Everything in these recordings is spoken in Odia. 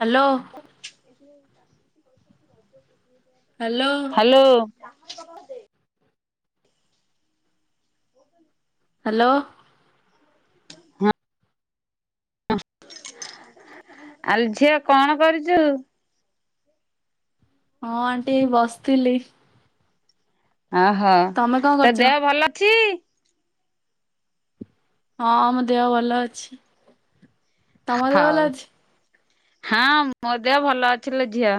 ହ୍ୟାଲୋ। [unintelligible] ହ୍ୟାଲୋ। ଲୋ। ହାଲୋ। ଆଲ ଝିଅ କଣ କରୁଛୁ? ହଁ ଆଣ୍ଟି ଏଇ ବସିଥିଲି। ଓହୋ ତମେ କଣ ତୋ କରୁଛ? ଦେହ ଭଲ ଅଛି? ହଁ ମୋ ଦେହ ଭଲ ଅଛି। ତମ ଦେହ ହଉ ଭଲ ଅଛି? ହଁ ମୋ ଦେହ ଭଲ ଅଛି ଲୋ ଝିଅ।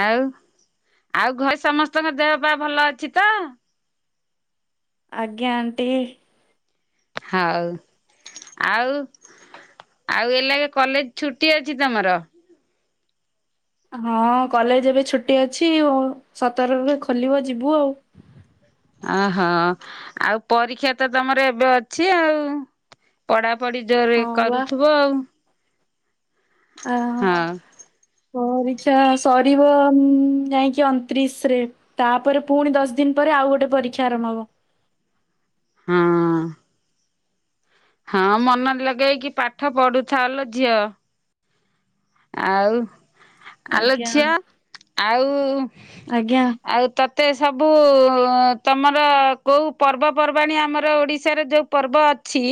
ଆଉ ଆଉ ଘରେ ସମସ୍ତଙ୍କ ଦେହ ପା ଭଲ ଅଛି ତ? ଆଜ୍ଞା ଆଣ୍ଟି। ହଉ ଆଉ ଆଉ ଏଲାଗେ କଲେଜ ଛୁଟି ଅଛି ତମର? ହଁ କଲେଜ ଏବେ ଛୁଟି ଅଛି ଓ ସତରରୁ ଖୋଲିବ ଯିବୁ ଆଉ। ଓହୋ ଆଉ ପରୀକ୍ଷା ତ ତମର ଏବେ ଅଛି ଆଉ? ପଡ଼ା ପଡ଼ି ଜୋରେ ହଁ ବା କରୁଥିବ ଆଉ? ଆ ହୋ। ହଁ ପରୀକ୍ଷା ସରିବ ଯାଇଁକି ଅଣତିରିଶ ରେ। ତାପରେ ପୁଣି ଦଶ ଦିନ ପରେ ଆଉ ଗୋଟେ ପରୀକ୍ଷା ଆରମ୍ଭ ହବ। ହଁ। ହଁ ମନ ଲଗେଇକି ପାଠ ପଢ଼ୁଥା ଲୋ ଝିଅ। ଆଉ ଆଲୋ ଆଜ୍ଞା ଝିଅ ଆଉ ଆଜ୍ଞା ଆଉ ତତ୍ ତେ ସବୁ ତମର କୋଉ ପର୍ବପର୍ବାଣିୀ ଆମର ଓଡ଼ିଶାରେ ଯୋଉ ପର୍ବ ଅଛି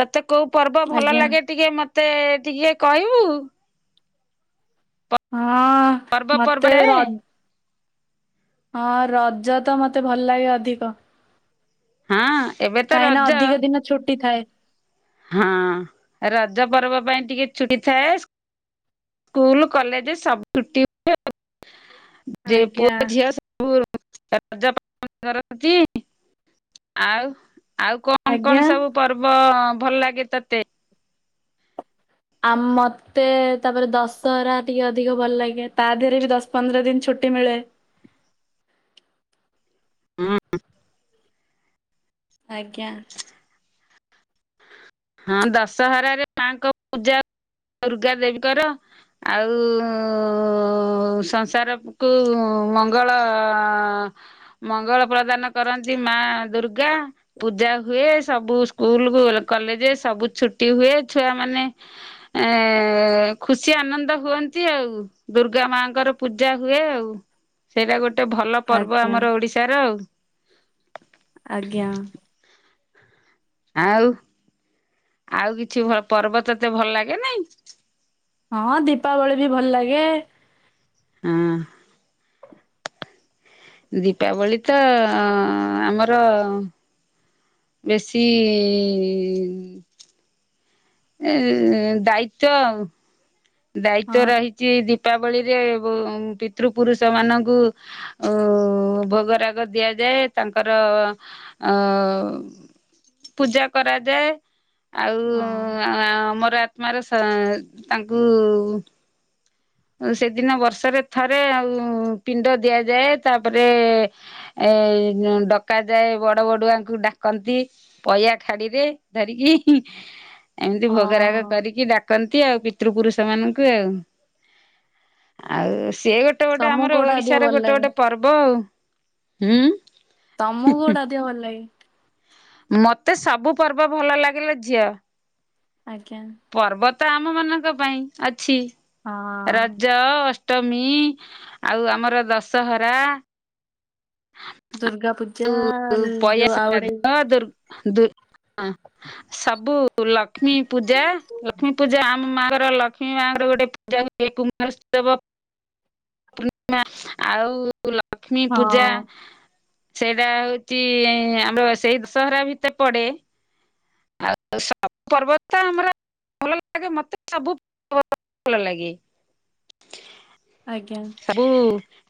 ତତେ କୋଉ ପର୍ବ ଭଲ ଆଜ୍ଞା ଲାଗେ ଟିକେ ମତେ ଟିକେ କହିବୁ? ହଁ। ପର୍ବ ମତେ ର [unintelligible] ହଁ ରଜ ତ ମତେ ଭଲ ଲାଗେ ଅଧିକ। ହଁ ଏବେ ତ କାହିଁକିନା ରଜ ଅଧିକ ଦିନ ଛୁଟି ଥାଏ। ହଁ ରଜ ପର୍ବ ପାଇଁ ଟିକେ ଛୁଟି ଥାଏ। ସ୍କୁଲ କଲେଯେ ସବୁ ଉଟି ଯେ ଆଜ୍ଞା ପୁଅ ଝିଅ ସବ୍ [unintelligible] କରନ୍ତି ଆଉ? ଆଉ କଣ ଆଜ୍ଞା। କଣ ସବୁ ପର୍ବ ଭଲ ଲାଗେ ତତେ? ଆ ମତେ ତାପରେ ଦଶହରା ଟିକେ ଅଧିକ ଭଲ ଲାଗେ ତା ଦେହରେ ବି ଦଶ ପନ୍ଦର ଦିନ ଛୁଟି ମିଳେ। ହୁଁ। ଆଜ୍ଞା। ହଁ ଦଶହରାରେ ମା ଙ୍କ ପୂଜା ଦୁର୍ଗା ଦେବୀଙ୍କର। ଆଉ ସଂସାର କୁ ମଙ୍ଗଳ ମଙ୍ଗଳ ପ୍ରଦାନ କରନ୍ତି, ମା ଦୁର୍ଗ୍ ପୂଜା ପୁଜା ହୁଏ ସବୁ ସ୍କୁଲ କୁ କଲେଜ୍ ଯେ ସବୁ ଛୁଟି ହୁଏ ଛୁଆ ମାନେ-' ଏଁ ଖୁସି ଆନନ୍ଦ ହୁଅନ୍ତି ଆଉ। ଦୁର୍ଗା ମାଙ୍କର ପୂଜା ହୁଏ ଆଉ ସେଟା ଗୋଟେ ଭଲ ପର୍ବ ଆଜ୍ଞା ଆମର ଓଡିଶାର ଆଉ। ଆଜ୍ଞା। ଆଉ ଆଉ କିଛି ପର୍ବ ତତେ ଭଲ ଲାଗେ ନାଇଁ? ହଁ ଦୀପାବଳି ବି ଭଲ ଲାଗେ। ଅଁ। ଦୀପାବଳି ତ ଆମର ବେଶୀ ଏ ଦାୟିତ୍ଵ ଆଉ। ଦାୟିତ ହଁ ରହିଚି ଦୀପାବଳିରେ ପିତୃ ପୁରୁଷ ମାନଙ୍କୁ ଉ ଭୋଗରାଗ ଦିଆଯାଏ ତାଙ୍କର ଅ ପୂଜା କରାଯାଏ। ଆଉ ହଁ ଆମର ଆତ୍ମାର ସ ତାଙ୍କୁ ସେଦିନ ବର୍ଷରେ ଥରେ ଆଉ ପିଣ୍ଡ ଦିଆଯାଏ ତାପରେ ଏ ଡକା ଯାଏ ବଡ ବଡୁଆଙ୍କୁ ଡାକନ୍ତି। ପଇଆ ଖାଡିରେ ଧରିକି। ଏମିତି ଭୋଗରାଗ ହଁ କରିକି ଡାକନ୍ତି ଆଉ ପିତୃପୁରୁଷ ମାନଙ୍କୁ ଆଉ। ଆଉ ସିଏ ଗୋଟେ ଗୋଟେ ତମକୁ ଆମର କୋଉଟା ଅଧିକ ଓଡିଶାର ଭଲ ଗୋଟେ ଲାଗେ? ଗୋଟେ ପର୍ବ ଆଉ, ହୁଁ। ତମକୁ କୋଉଟା ଅଧିକ ଭଲ ଲାଗେ? ମତେ ସବୁ ପର୍ବ ଭଲ ଲାଗେଲ ଝିଅ। ଆଜ୍ଞା। ପର୍ବ ତ ଆମ ମାନଙ୍କ ପାଇଁ ଅଛି। ହଁ ରଜ ଅଷ୍ଟମୀ ଆଉ ଆମର ଦଶହରା ଦୁର୍ଗା ପୂଜା ଆଉ ପୟା ଯୋଉ ଆଉ ଗୋଟେ ସାଧ ଦୁର୍ ଦୁ ହଁ ସବୁ। ଲକ୍ଷ୍ମୀ ପୂଜା ଲକ୍ଷ୍ମୀ ପୂଜା ଆମ ମାଙ୍କର ଲ ଲକ୍ଷ୍ମୀ ମାଙ୍କର ଗୋଟେ ପୂଜା ହୁଏ କୁମାର ଉତ୍ସବ ପୂର୍ଣ୍ଣିମା, ଆଉ ଲକ୍ଷ୍ମୀ ପୂଜା। ହଁ ସେଇଟା ହଉଚି ଆମର ସେଇ ଦଶହରା ଭିତରେ ପଡେ। ଆଉ ସବୁ ପର୍ବ ତ ଆମର ଭଲ ଲାଗେ ମତେ ସବୁ ପର୍ବ ବହତ୍ ଭଲଲାଗେ। ଆଜ୍ଞା ସବୁ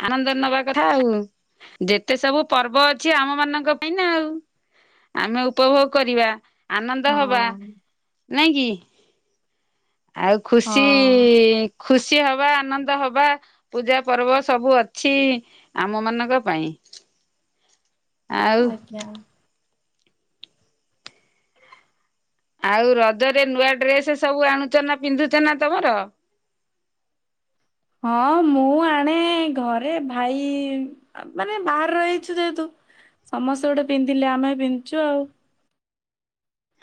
ଆନନ୍ଦରେ ନବା କଥା ଆଉ ଯେତେ ସବୁ ପର୍ବ ଅଛି ଆମ ମାନଙ୍କ ପାଇଁ ନା ଆଉ। ଆମେ ଉପଭୋଗ କରିବା ଆନନ୍ଦ ହଁ ହବା ନାଇଁ କି? ଆଉ ହଁ ଖୁସି ଖୁସି ହବା ଆନନ୍ଦ ହବା। ପୂଜା ପର୍ବ ସବୁ ଅଛି ଆମ ମାନଙ୍କ ପାଇଁ। ଆଉ ଆଜ୍ଞା। ଆଉ ରଜରେ ନୂଆ ଡ୍ରେସ୍ ସବୁ ଆଣୁଚ ନା ପିନ୍ଧୁଚ ନା ତମର? ହଁ ମୁଁ ଆଣେ ଘରେ ଭାଇ ମାନେ ବାହାରେ ରହିଚୁ ଯେହେତୁ ସମସ୍ତେ ଗୋଟେ ପିନ୍ଧିଲେ ଆମେ ପିନ୍ଧିଚୁ ଆଉ।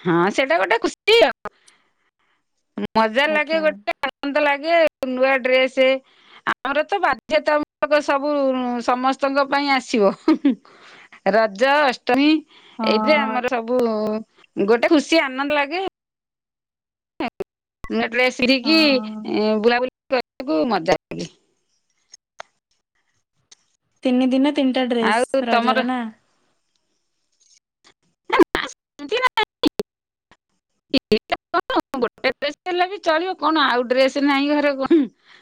ହଁ ସେଇଟା ଗୋଟେ ଖୁସି ଆଉ ମଜା ଲାଗେ ଆଜ୍ଞା ଗୋଟେ। ଆନନ୍ଦ ଲାଗେ ନୂଆ ଡ୍ରେସେ, ଆମର ତ ବାଧ୍ୟତାମୂଳକ ସବୁ ସମସ୍ତଙ୍କ ପାଇଁ ଆସିବ ହୁଁ-ହୁଁ, ରଜ ଅଷ୍ଟ ତ ହିଁ ଏଇଥିରେ ହଁ ଆମର ସବୁ ଗୋଟେ ଖୁସି ଆନନ୍ଦ ଲାଗେ, ଆଜ୍ଞା ନୁଆ ଡ୍ରେସ ସିରିକି ହଁ ଏଁ ବୁଲାବୁଲି କରିବାକୁ ମଜା ଲାଗେ, ତିନି ଦିନ ତିନିଟା ଡ୍ରେସ ଆଉ ତମର ରଜରେ ନା? ନା [inaudible] ଏବେ ସେ ଲାଗି ଚଳିବ କଣ ଆଉ ଡ୍ରେସ୍ ନାହିଁ ଘରେ କଁ ହୁଁ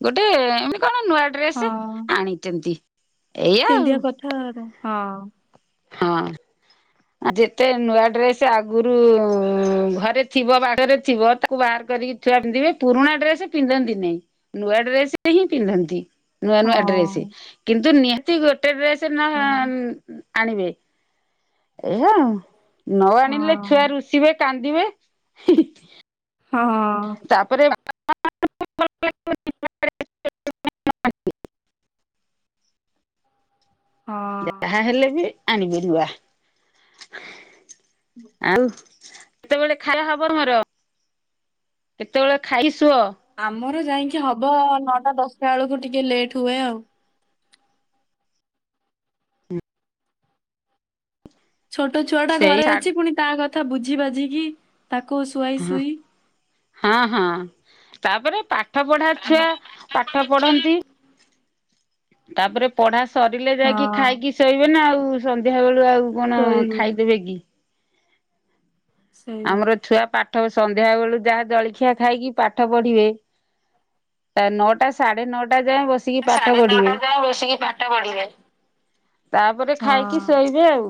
ଗୋଟେ ଏମିତି କଣ ନୂଆ, ଡ୍ରେସେ ହଁ ଆଣିଚନ୍ତି, ପିନ୍ଧିବା କଥା ହଁ, ହଁ, ଆ ଯେତେ ନୂଆ ଡ୍ରେସ୍ ଆଗରୁ ଘରେ ଥିବ ବାଘରେ ଥିବ ତାକୁ ବାହାର କରିକି, ପଧିବେ ପୁରୁଣା ଡ୍ରେସ ପିନ୍ଧନ୍ତି ନି ନୂଆ ଡ୍ରେସ୍ ହିଁ ପିନ୍ଧନ୍ତି, ହଁ ନୂଆ-ନୂଆ ଡ୍ରେସ୍ କିନ୍ତୁ ନିହାତି ଗୋଟେ ଡ୍ରେସ୍ ହଁ ନ ଆଣିବେ, ଏଇହା ନୁ ନ ହଁ ଆଣିଲେ ଛୁଆ ରୁଷିବେ କାନ୍ଦିବେ, ହଁ, ତାପରେ, [inaudible] ହଁ ଯାହା ହେଲେ ବି ଆଣିପାରିବା, ହୁଁ, ଆଉ କେତେବେଳେ ଖାଇ ହବ ମୋର କେତେବେଳେ ଖାଇ ଶୁଅ, ଆମର ଯାଇକି ହବ ନଅଟା ଦଶଟା ବେଳକୁ ଟିକେ ଲେଟ୍ ହୁଏ ଆଉ, ଛୋଟ ଛୁଆଟା ସେଇ ଘରେ ହଁ ଅଛି ପୁଣି ତା କଥା ବୁଝି ବାଝିକି ତାକୁ ଶୁଆଇ ଶୁଇ, ହଁ-ହଁ ତାପରେ ପାଠ ପଢ଼ା ଛୁଆ ପାଠ ପଢ଼ନ୍ତି, ତାପରେ ପୁଢା ସରିଲେ ଯାଇକି ହଁ ଖାଇକି ଶୋଇବେ ନା ଆଉ ସନ୍ଧ୍ୟା ବେଳୁ ଆଉ, କଣ ଶୋଇବେ ଖାଇଦେବେ କି, ସେଇଆ। ଆମର ଛୁଆ ପାଠ ସନ୍ଧ୍ୟା ବେଳୁ ଯାହା ଜଳଖିଆ ଖାଇକି ପାଠ ପଢ଼ିବେ, ତା ନଅଟା ସାଢେ ନଅଟା ଯାଏଁ ବସ୍ ସାଢ଼େ ନଅଟା ଯାଏ ବସିକି ପାଠ ପଢ଼ିବେ, ତାପରେ ଖାଇକି ଶୋଇବେ ଆଉ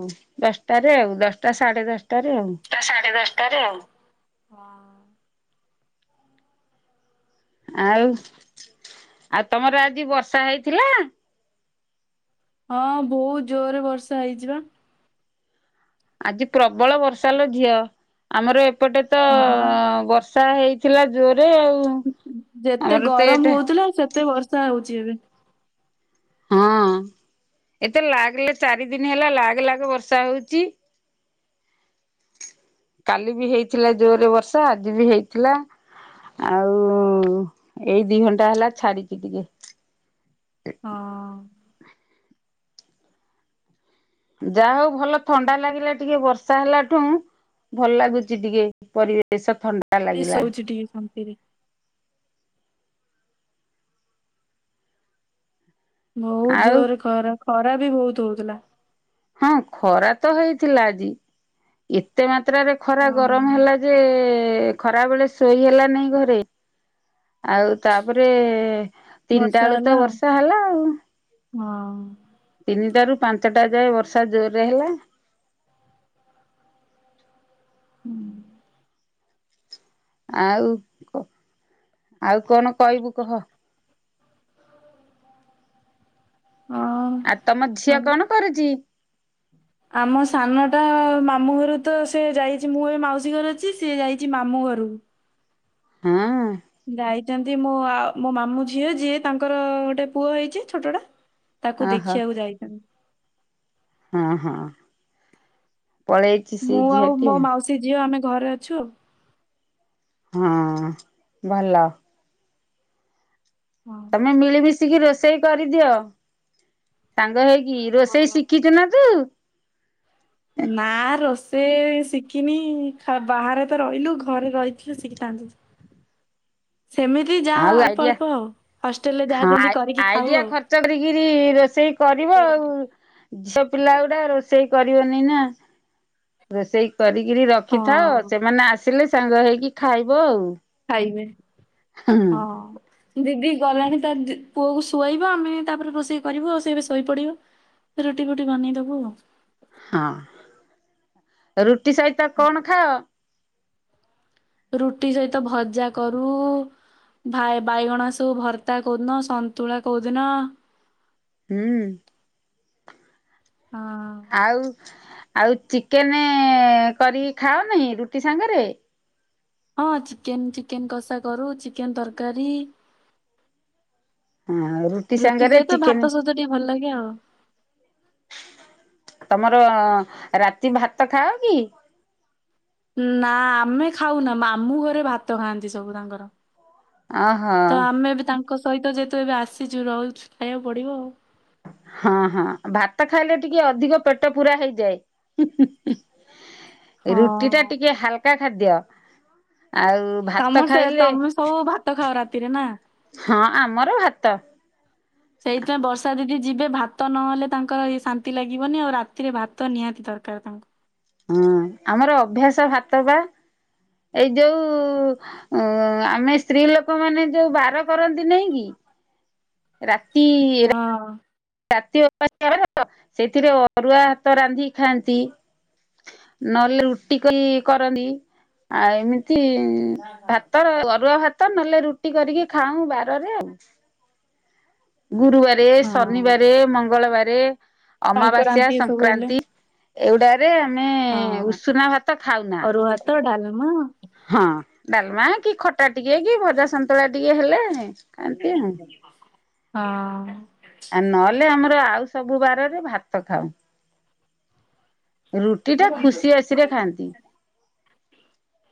ଦଶଟାରେ ଆଉ ଦଶଟା ସାଢ଼େ ଦଶଟାରେ ଆଉ, ଟା ସାଢ଼େ ଦଶଟାରେ ଆଉ, ହଁ, ଆଉ-ଆଉ ତମର ଆଜି ବର୍ଷା ହେଇଥିଲା, ହଁ ବହୁତ୍ ଜୋରରେ ବର୍ଷା ହେଇଯିବା, ଆଜି ପ୍ରବଳ ବର୍ଷାଲ ଝିଅ ଆମର ଏପଟେ ତ ହଁ ଅ ବର୍ଷ୍ ସା ହେଇଥିଲା ଜୋରରେ ଆଉ, ଯେତେ ଆମର ତ ଗରମ ଏଟା ହଉଥିଲା ସେତେ ବର୍ଷା ହଉଛି ଏବେ, ହଁ ଏତେ ଲାଗିଲେ ଚାରି ଦିନି ହେଲା ଲାଗେ-ଲାଗେ ବର୍ଷା ହଉଛି, କାଲି ବି ହେଇଥିଲା ଜୋରରେ ବର୍ଷା ଆଜି ବି ହେଇଥିଲା, ଆଉ ଏଇ ଦି ଘଣ୍ଟା ହେଲା ଛାଡ଼ିଛିି ଟିକେ, ହଁ, ଯାହା ହଉ ଭଲ ଥଣ୍ଡା ଲାଗିଲା ଟିକେ ବର୍ଷା ହେଲା ଠୁ, ଭଲ ଲାଗୁଛି ଟିକେ ପରିବେଶ ଥଣ୍ଡ୍ ଟିକେ ସଉଛି ଟିକେ ଶାନ୍ତିରେ, ବହୁତ୍ ଆଉ ଜୋରରେ ଖରା-ଖରା ବି ବହୁତ୍ ହଉଥିଲା, ହଁ ଖରା ତ ହେଇଥିଲା ଆଜି। ଏତେ ମାତ୍ରାରେ ଖରା ହଁ ଗରମ ହେଲା ଯେ ଖରା ବେଳେ ଶୋଇ ହେଲା ନାଇଁ ଘରେ ଆଉ ତାପରେ ତିନିଟା ବର୍ଷା ବେଳୁ ତ ହେଲା ଆଉ ବର୍ଷା ହେଲା ଆଉ। ହଁ ତିନିଟା ରୁ ପାଞ୍ଚଟା ଯାଏ ବର୍ଷା ଜୋର ରେ ହେଲା। [inaudible] ଆଉ କ ଆଉ କଣ କହିବୁ କହ। ହଁ। ଆଉ ତମ ଝିଅ ଆଉ କଣ କରୁଛି? ଆମ ସାନଟା ମାମୁଁ ଘରୁ ତ ସେ ଯାଇଛି ମୁଁ ଏବେ ମାଉସୀ ଘର ଅଛି ସେ ଯାଇଛି ମାମୁଁ ଘରୁ। ହଁ। ଯାଇଛନ୍ତି ମୋ ଆଉ ମୋ ମାମୁଁ ଝିଅ ଯିଏ ତାଙ୍କର ଗୋଟେ ପୁଅ ହେଇଛି ଛୋଟଟା। ତାକୁ ଓହୋ ଦେଖିବାକୁ ଯାଇଛନ୍ତି। ହଁ, ହଁ। ପଳେଇଛି ସେ ମୁଁ ଆଉ ଝିଅଟି ମୋ ମାଉସୀ ଝିଅ ଆମେ ଘରେ ଅଛୁ। ହଁ ଭଲ। ତମେ ମିଳିମିଶିକି ରୋଷେଇ କରିଦିଅ ସାଙ୍ଗ ହେଇକି କି ରୋଷେଇ ହଁ। ଶିଖିଛୁ ନା ତୁ? ନା ରୋଷେଇ ଶିଖିନି ଖା ବାହାରେ ତ ରହିଲୁ ଘରେ ରହିଥିଲେ ଶିଖିଥାନ୍ତୁ। ଆଉ ଅଳ୍ପ ଆଇଡିଆ ଅଳ୍ପ ଆଉ ହଷ୍ଟେଲରେ ଯାହା ହଁ ଯେମିତି କରିକି ଖାଉ ଆଇଡିଆ ଆଉ ଖର୍ଚ୍ଚ କରିକିରି ରୋଷେଇ କରିବ ହଁ ଆଉ। ଝିଅ ପିଲା ଗୁଡା ରୋଷେଇ କରିବନି ନା ରୋଷେଇ କରିକିରି ରକ୍ ରଖିଥାଅ ସେମାନେ ଆସିଲେ ସାଙ୍ଗ ହେଇକି ଖାଇବ ଆଉ। ଖାଇବି ହଁ। ଦିଦି ଗଲାଣି ତ ତା ପୁଅକୁ ଶୁଆଇବ ଆମେ ତାପରେ ରୋଷେଇ କରିବୁ ସେ ଏବେ ଶୋଇପଡିବ। ସେ ରୁଟି ଫୁଟି ବନେଇଦବୁ ଆଉ। ହଁ ରୁଟି ସହିତ କଣ ଖାଅ। ରୁଟି ସହିତ ଭଜା କରୁ ଭାଇ ବାଇଗଣ ସବୁ ଭର୍ତ୍ତା କୋଉଦିନ ସନ୍ତୁଳା କୋଉଦିନ ହୁଁ। ହଁ। ଆଉ ଆଉ ଚିକେନ କରିକି ଖାଅ ନାହିଁ ରୁଟି ସାଙ୍ଗରେ। ହଁ ଚିକେନ୍ ଚିକେନ୍ କଷା କରୁ ଚିକେନ୍ ତରକାରୀ ହଁ ରୁଟି ସାଙ୍ଗରେ ସହିତ ଚିକେନେ ଭାତ ସହିତ ଟିକେ ଭଲ ଲାଗେ ଆଉ। ତମର ରାତି କି ଭାତ ଖାଅ କି? ନା ଆମେ ଖାଉନା ମାମୁଁ ଘରେ ଭାତ ଖାଆନ୍ତି ସବୁ ତାଙ୍କର। ଓହୋ ତ ଆମେ ବି ତାଙ୍କ ସହିତ ଯେହେତୁ ଏବେ ଆସିଛୁ ରହୁଛୁ ଖାଇବାକୁ ପଡିବ ଆଉ। ହଁ ହଁ ଭାତ ଖାଇଲେ ଟିକେ ଅଧିକ ପେଟ ପୂରା ହେଇଯାଏ [unintelligible] ରୁଟି ଟା ହଁ ଟିକେ ହାଲକା ଖାଦ୍ୟ। ଆଉ ଭାତ ତମର ସେ ଖାଇଲେ ତମେ ସବୁ ଭାତ ଖାଅ ରାତିରେ ନା? ହଁ ଆମର ଭାତ। ସେଇଥିପାଇଁ ବର୍ଷା ଦିଦି ଯିବେ ଭାତ ନହେଲେ ତାଙ୍କର ଏ ଶାନ୍ତି ଲାଗିବନି ଆଉ ରାତିରେ ଭାତ ନିହାତି ଦରକାର ତାଙ୍କୁ। ହଁ ଆମର ଅଭ୍ୟାସ ଭାତ ବା ଏଇ ଯୋଉ ଓ ଆମେ ସ୍ତ୍ରୀ ଲୋକ ମାନେ ଯୋଉ ବାର କରନ୍ତି ନାଇଁ କି ରାତି ହଁ ରାତି ଓପାଷିଆରେ ସେଥିରେ ଅରୁଆ ଭାତ ରାନ୍ଧିକି ଖାଆନ୍ତି। ନହେଲେ ରୁଟି କଲି କରନ୍ତିି ଆଉ ଏମିତି। ହଁ। ଭାତ ଅରୁଆ ଭାତ ଭାତ ନହେଲେ ରୁଟି କରିକି ଖାଉଁ ବାରରେ ଗୁରୁବାରେ ସ ହଁ ଶନିବାରେ, ମଙ୍ଗଳବାରେ, ଅମାବାସ୍ୟା, ସଂକ୍ରାନ୍ତି ଏ ସବୁ ହେଲେ ସଂକ୍ରାନ୍ତି ଏଗୁଡାରେ ଆମେ ହଁ ଉଷୁନା ଭାତ ଖାଉନା। ଅରୁଆ ଭାତ ଡାଲମା ହଁ ଡାଲମା କି ଖଟା ଟିକେ କି ଭଜା ସନ୍ତୁଳା ଟିକେ ହେଲେ ଖାଆନ୍ତି ଆଉ। ହଁ। ଆ ନହେଲେ ଆମର ଆଉ ସବୁ ବାରରେ ଭାତ ଖାଉ। ରୁଟି ଟା ଖୁସି ବାସିରେ ଖାଆନ୍ତି।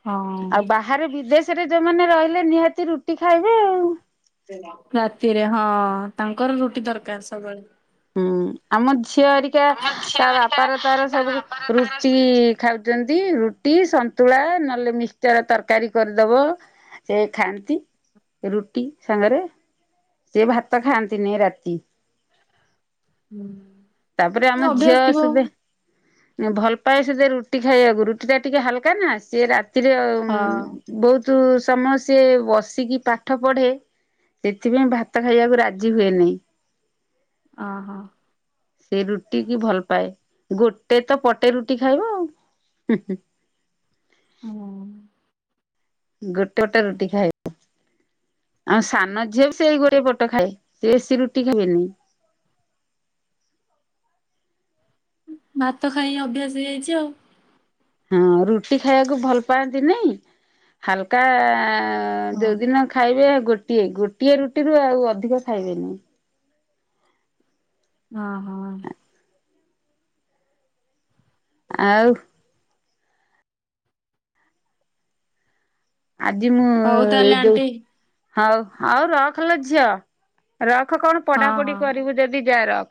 ହଁ ଆଉ ବାହାରେ ବିଦେଶରେ ଯୋଉମାନେ ରହିଲେ ନିହାତି ରୁଟି ଖାଇବେ ଆଉ। ରାତିରେ ହଁ ତାଙ୍କର ରୁଟି ଦରକାର ସବୁବେଳେ। ହୁଁ ଆମ ଝିଅ ହେରିକା ଆମ ତା ଝିଅ ହେରିକା ବାପାର ତାର ତା ସବୁ ବାବାର ତାର ରୁଟି। ଖାଉଛନ୍ତି ରୁଟି ସନ୍ତୁଳା ନହେଲେ ମିକ୍ସର ତରକାରୀ କରିଦବ। ସେ ଖାଆନ୍ତି ରୁଟି ସାଙ୍ଗରେ ସେ ଭାତ ଖାଆନ୍ତିନି ରାତି ହୁଁ ତାପରେ ଆମ ଅଭ୍ୟାସ ଝିଅ ଥିବ ହଁ ସେବେ ଭଲ ପାଏ ସେ ଯେ ରୁଟି ଖାଇବାକୁ ରୁଟି ଟା ଟିକେ ହାଲକା ନା ସିଏ ରାତି ତିରେ ବହୁତ ସମୟ ସେ ବସିକି ପାଠ ପଢ଼େ। ସେଥିପାଇଁ ଭାତ ଖାଇବାକୁ ରାଜି ହୁଏନି। ଅଁ ହ ସେ ରୁଟି କି ଭଲ ପାଏ ଗୋଟେ ତ ପଟେ ରୁଟି ଖାଇବ ଆଉ। ହ ଗୋଟେ ପଟ ରୁଟି ଖାଏ। ଆମ ସାନ ଝିଅ ବି ସେଇ ଗୋଟିଏ ପଟ ଖାଏ ସେ ବେସି ରୁଟି ଖାଏନି। ଭାତ ଖାଇଆ ଅଭ୍ୟାସ ହେଇଯାଇଛି ଆଉ। ହଁ ରୁଟି ଖାଇବାକୁ ଭଲ ପାଆନ୍ତିନି ହାଲକା ହଁ ଯୋଉଦିନ ଖାଇବେ ଆଉ ଗୋଟିଏ, ଗୋଟିଏ ରୁଟିରୁୁ ଆଉ ଅଧିକ ଖାଇବେନି। ହଁ ହଁ। ଆଉ ଆଜି ମୁଁ ହଉ ଏ ତାହେଲେ ଯୋଉ ଆଣ୍ଟି ହଉ ହଉ ରଖ ଲୋ ଝିଅ ରଖ କଣ ହଁ ପଢାପଢି ହଁ। କରିବୁ ଯଦି ଯା ରଖ।